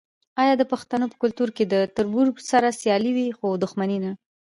آیا د پښتنو په کلتور کې د تربور سره سیالي وي خو دښمني نه؟